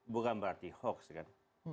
bukan berarti hoax kan